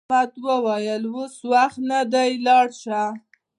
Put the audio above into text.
احمد وویل اوس وخت نه دی لاړ شه.